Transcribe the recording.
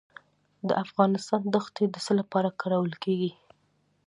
د افغانستان دښتې د څه لپاره کارول کیږي؟